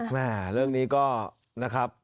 แม่เรื่องนี้ก็นะครับ